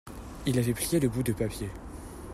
Il avait plié le bout de papier.